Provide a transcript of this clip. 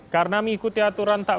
karena mengikuti aturan tak berhubungan